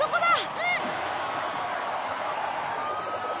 うん！